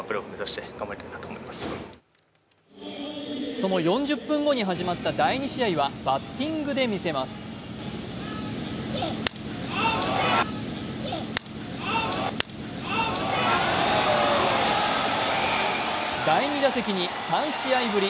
その４０分後に始まった第２試合はバッティングで見せます第２打席に３試合ぶり